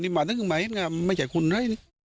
นี่มานึงไหมไม่ใช่คุณนะ